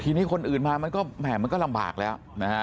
ทีนี้คนอื่นมามันก็แหม่มันก็ลำบากแล้วนะฮะ